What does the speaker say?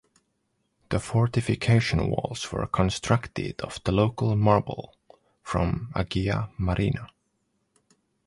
The fortification walls were constructed of the local marble from Agia Marina.